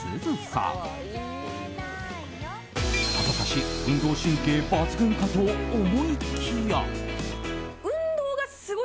さぞかし運動神経抜群かと思いきや。